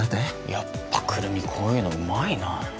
やっぱくるみこういうのうまいな。